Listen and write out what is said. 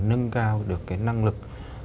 nâng cao được cái năng lực